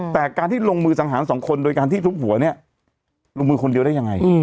แต่การที่ลงมือสังหารสองคนโดยการที่ทุบหัวเนี่ยลงมือคนเดียวได้ยังไง